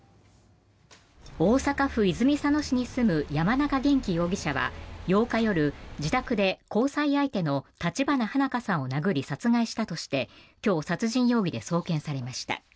大阪府泉佐野市に住む山中元稀容疑者は８日夜自宅で交際相手の立花花華さんを殴り殺害したとして今日、殺人容疑で送検されました。